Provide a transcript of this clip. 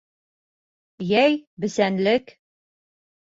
Йәй, бесәнлек...